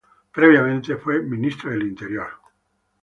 Previamente, fue ministro del interior.